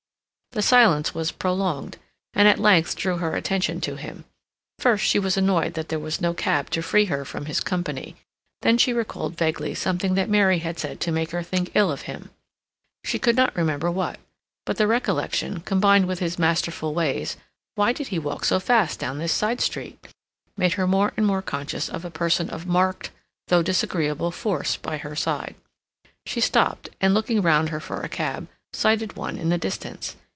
The silence was prolonged, and at length drew her attention to him. First she was annoyed that there was no cab to free her from his company; then she recalled vaguely something that Mary had said to make her think ill of him; she could not remember what, but the recollection, combined with his masterful ways—why did he walk so fast down this side street?—made her more and more conscious of a person of marked, though disagreeable, force by her side. She stopped and, looking round her for a cab, sighted one in the distance.